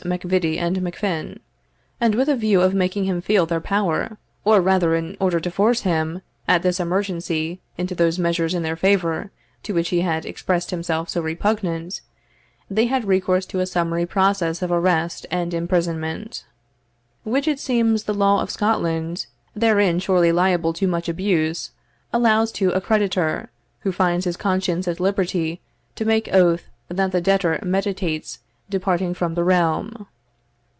MacVittie and MacFin; and, with a view of making him feel their power, or rather in order to force him, at this emergency, into those measures in their favour, to which he had expressed himself so repugnant, they had recourse to a summary process of arrest and imprisonment, which it seems the law of Scotland (therein surely liable to much abuse) allows to a creditor, who finds his conscience at liberty to make oath that the debtor meditates departing from the realm.